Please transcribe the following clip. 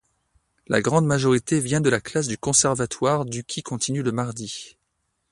La grande majorité vient de la classe du Conservatoire du qui continue le mardi.